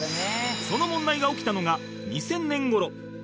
その問題が起きたのが２０００年頃